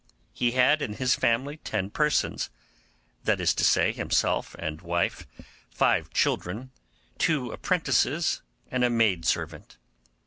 He had in his family ten persons; that is to say, himself and wife, five children, two apprentices, and a maid servant.